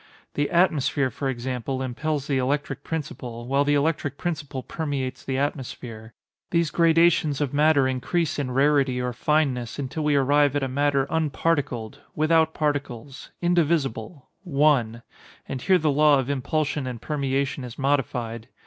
The atmosphere, for example, impels the electric principle, while the electric principle permeates the atmosphere. These gradations of matter increase in rarity or fineness, until we arrive at a matter unparticled—without particles—indivisible—one; and here the law of impulsion and permeation is modified.